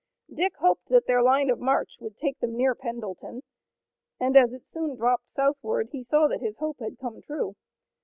Dick hoped that their line of march would take them near Pendleton, and as it soon dropped southward he saw that his hope had come true.